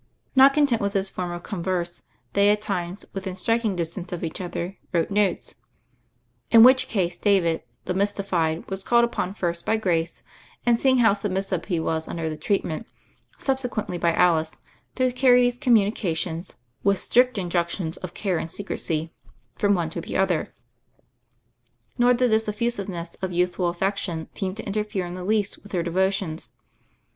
Not content with this form of converse, they at times, within striking distance of each other, wrote notes; in which case David, the mystified, was called upon first by Grace, and, seeing how submissive he was under the treatment, subse quently by Alice, to carry these communications — with strict injunctions of care and secrecy — from one to the other. Nor did this effusiveness of youthful affection seem to interfere in the least with their devo tions.